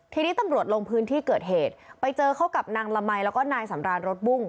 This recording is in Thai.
ทีนี้ตำรวจลงพื้นที่เกิดเหตุไปเจอเข้ากับนางละมัยแล้วก็นายสำรานรถบุ้ง